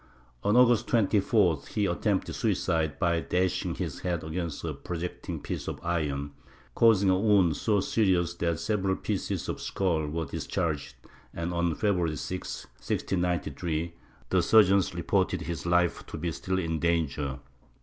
On August 24th he attempted suicide by dashing his head against a projecting piece of iron, causing a wound so serious that several pieces of skull were discharged and, on February 6, 1693, the surgeons reported his life to be still in danger.